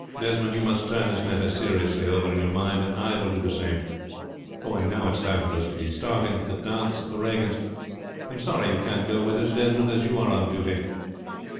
Desmond, you must turn this matter seriously over in your mind, and I will do the same. And now it is time for us to be starting for the dance at the Regans'. I am sorry you can't go with us, Desmond, as you are on duty."